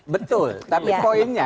betul tapi poinnya